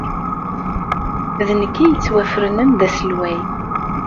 D nekk ay yettwafernen d aselway.